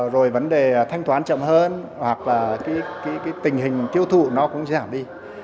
rồi vấn đề thanh toán trọng hơn hoặc là tình hình tiêu thụ nó cũng giảm đi